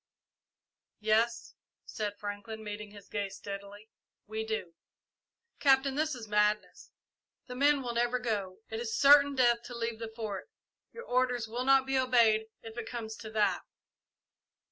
"Yes," said Franklin, meeting his gaze steadily, "we do." "Captain, this is madness. The men will never go. It is certain death to leave the Fort. Your orders will not be obeyed, if it comes to that."